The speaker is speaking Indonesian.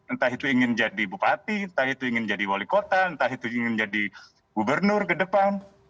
entah itu ingin jadi bupati entah itu ingin jadi wali kota entah itu ingin jadi gubernur ke depan